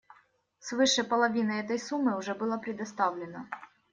Свыше половины этой суммы уже было предоставлено.